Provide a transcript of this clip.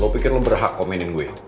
lu pikir lu berhak komenin gue